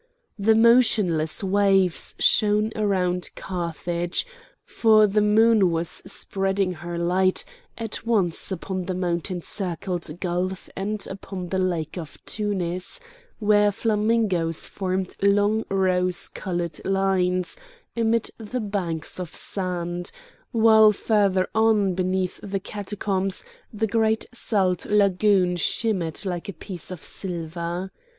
The motionless waves shone around Carthage, for the moon was spreading her light at once upon the mountain circled gulf and upon the lake of Tunis, where flamingoes formed long rose coloured lines amid the banks of sand, while further on beneath the catacombs the great salt lagoon shimmered like a piece of silver.